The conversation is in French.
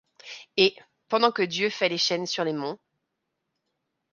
Et, pendant que Dieu fait les chênes sur les monts